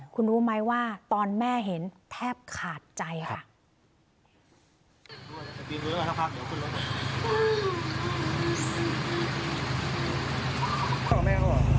คุณรู้ไหมว่าตอนแม่เห็นแทบขาดใจค่ะ